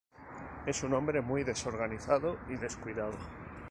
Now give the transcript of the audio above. Es un hombre muy desorganizado y descuidado.